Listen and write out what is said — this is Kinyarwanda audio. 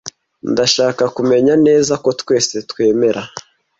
Ndashaka kumenya neza ko twese twemera.